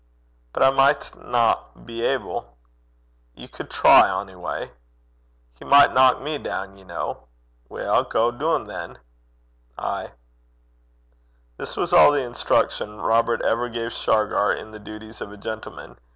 'But I michtna be able.' 'Ye could try, ony gait.' 'He micht knock me down, ye ken.' 'Weel, gae doon than.' 'Ay.' This was all the instruction Robert ever gave Shargar in the duties of a gentleman.